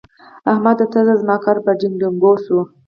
احمده! ته ځه؛ زما کار په ډينګ ډينګو شو.